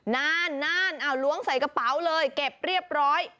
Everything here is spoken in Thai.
นานเอาล้วงใส่กระเป๋าเลยเก็บเรียบร้อย